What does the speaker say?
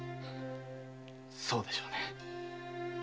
そうでしょうね。